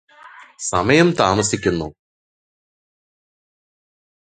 സമയം താമസിക്കുന്നു.